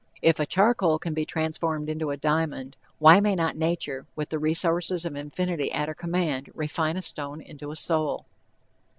If a charcoal can be transformed into a diamond, why may not nature, with the resources of infinity at her command, refine a stone into a soul?